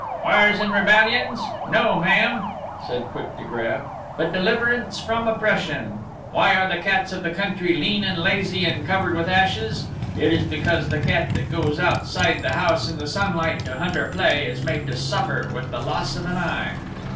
"Wars and rebellions, no, ma'am," said Quick to Grab, "but deliverance from oppression. Why are the cats of the country lean and lazy and covered with ashes? It is because the cat that goes outside the house in the sunlight, to hunt or to play, is made to suffer with the loss of an eye."